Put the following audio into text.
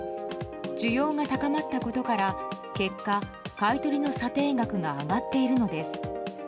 需要が高まったことから結果、買い取りの査定額が上がっているのです。